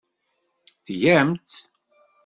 Tgam-tt!